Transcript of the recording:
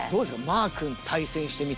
マー君と対戦してみて。